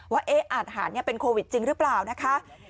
ว่าอาทหารเป็นโควิดจริงหรือเปล่านะคะ